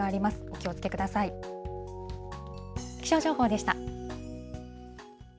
気象情報でした。